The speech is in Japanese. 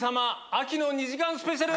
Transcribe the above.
秋の２時間スペシャル！